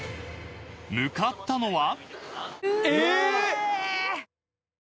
［向かったのは］